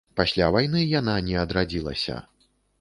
Пасля вайны яна не адрадзілася.